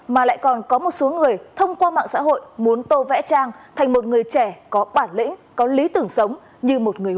mà lại còn có một số người thông qua mạng xã hội muốn tô vẽ trang thành một người trẻ có bản lĩnh